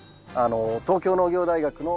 東京農業大学の畑です。